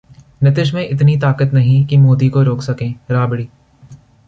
नीतीश में इतनी ताकत नहीं कि मोदी को रोक सकें: राबड़ी